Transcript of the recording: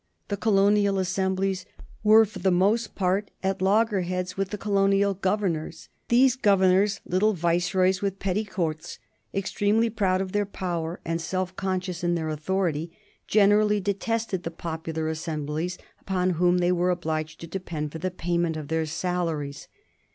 The colonial assemblies were for the most part at loggerheads with the colonial governors. These governors, little viceroys with petty courts, extremely proud of their power and self conscious in their authority, generally detested the popular assemblies upon whom they were obliged to depend for the payment of their salaries.